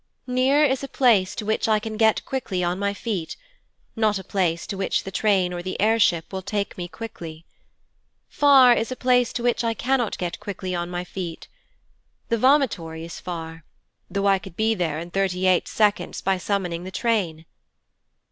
"Near" is a place to which I can get quickly on my feet, not a place to which the train or the air ship will take me quickly. 'Far' is a place to which I cannot get quickly on my feet; the vomitory is 'far', though I could be there in thirty eight seconds by summoning the train.